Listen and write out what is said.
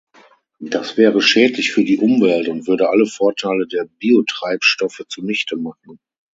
Das wäre schädlich für die Umwelt und würde alle Vorteile der Biotreibstoffe zunichte machen.